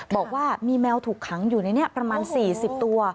บอกว่ามีแมวถูกขังอยู่ในนี้ประมาณ๔๐ตัว